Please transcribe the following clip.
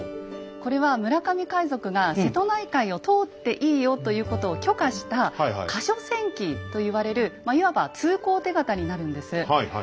これは村上海賊が瀬戸内海を通っていいよということを許可した「過所船旗」と言われるいわば通行手形になるんです。